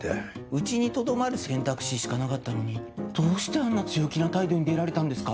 うちにとどまる選択肢しかなかったのにどうしてあんな強気な態度に出られたんですか？